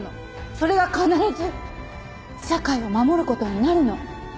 それが必ず社会を守ることになるの。